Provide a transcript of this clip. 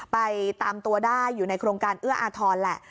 ไปตามตัวได้อยู่ในโครงการเอื้ออาทรแหละ